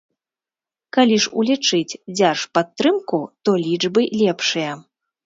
Калі ж улічыць дзяржпадтрымку, то лічбы лепшыя.